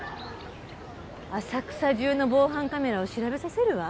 浅草中の防犯カメラを調べさせるわ。